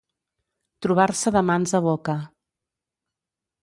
Trobar-se de mans a boca.